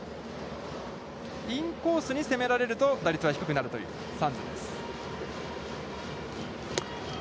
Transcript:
インコースに攻められると打率は低くなるというサンズです。